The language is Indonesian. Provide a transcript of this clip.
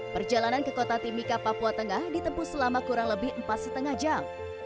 perjalanan ke kota timika papua tengah ditempuh selama kurang lebih empat lima jam